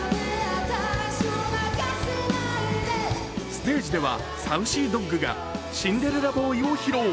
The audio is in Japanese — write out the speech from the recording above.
ステージではＳａｕｃｙＤｏｇが「シンデレラボーイ」を披露。